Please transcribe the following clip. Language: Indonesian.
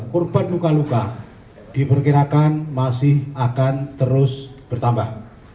korban luka luka diperkirakan masih akan terus bertambah